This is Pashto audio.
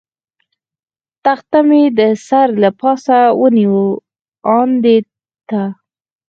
تخته مې د سر له پاسه ونیول، آن دې ته.